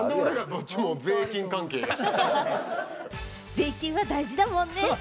税金は大事だもんね。